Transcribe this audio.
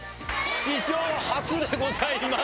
史上初でございます！